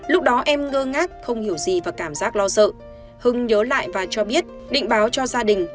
lúc đó em ngơ ngác không hiểu gì và cảm giác lo sợ hưng nhớ lại và cho biết định báo cho gia đình